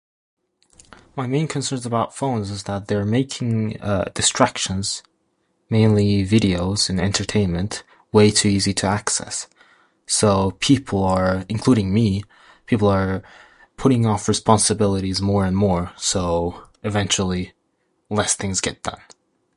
My main concerns about phones is that they're making distractions, mainly videos and entertainment way too easy to access, so people are, including me, people are putting off responsibilities more and more so, eventually, less things get done.